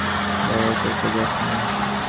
লড়াই করতে যাস না।